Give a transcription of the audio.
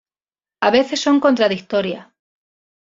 A veces son contradictorias.